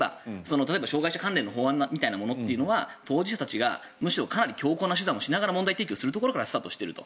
例えば障害者関連の法案というのは、当事者たちがむしろかなり強硬な手段をしながら問題提起をするところからスタートしていると。